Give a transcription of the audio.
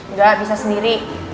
enggak bisa sendiri